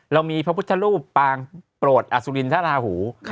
เรามีพระพุทธรูปปางโปรดอสุรินทราหู